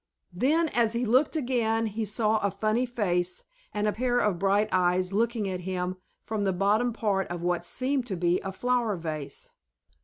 Then, as he looked again, he saw a funny face, and a pair of bright eyes looking at him from the bottom part of what seemed to be a flower vase.